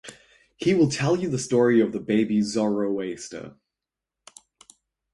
He will tell you the story of the baby Zoroaster.